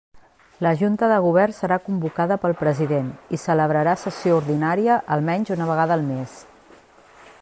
La Junta de Govern serà convocada pel president i celebrarà sessió ordinària almenys una vegada al mes.